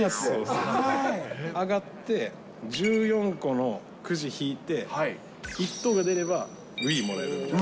あがって、１４個のくじ引いて、１等が出ればＷｉｉもらえるみたいな。